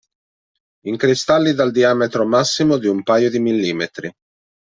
In cristalli dal diametro massimo di un paio di millimetri.